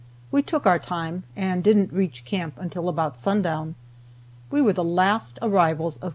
We took our time, and didn't reach camp till about sundown. We were the last arrivals of Co.